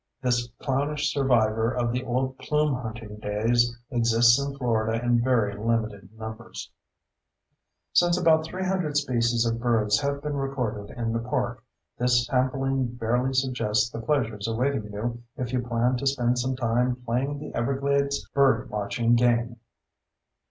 This clownish survivor of the old plume hunting days exists in Florida in very limited numbers. Since about 300 species of birds have been recorded in the park, this sampling barely suggests the pleasures awaiting you if you plan to spend some time playing the Everglades bird watching game.